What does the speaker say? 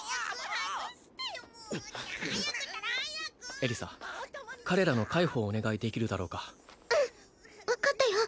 エリサ彼らの介抱をお願いできるだろうかうん分かったよ